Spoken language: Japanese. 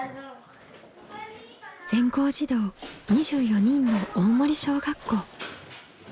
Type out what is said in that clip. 全校児童２４人の大森小学校。